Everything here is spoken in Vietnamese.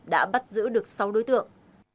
đã bắt giữ được sáu đối tượng